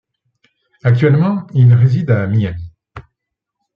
Actuellement, il réside à Miami.